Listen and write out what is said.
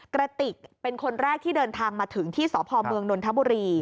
กระติกเป็นคนแรกที่เดินทางมาถึงที่สพเมืองนนทบุรี